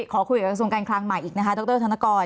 ขอคุยกับกระทรวงการคลังใหม่อีกนะคะดรธนกร